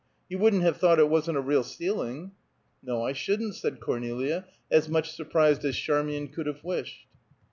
You wouldn't have thought it wasn't a real ceiling?" "No, I shouldn't," said Cornelia, as much surprised as Charmian could have wished.